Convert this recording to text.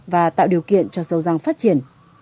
và tạo điều kiện cho sâu răng phát triển